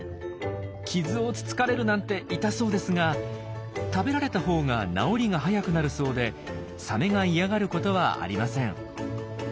傷をつつかれるなんて痛そうですが食べられたほうが治りが早くなるそうでサメが嫌がることはありません。